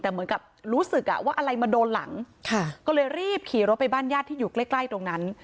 แต่เหมือนกับรู้สึกอ่ะว่าอะไรมาโดนหลังค่ะก็เลยรีบขี่รถไปบ้านญาติที่อยู่ใกล้ใกล้ตรงนั้น